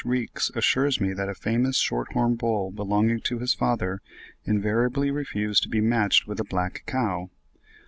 Reeks assures me that a famous short horn bull belonging to his father "invariably refused to be matched with a black cow."